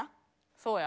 そうや。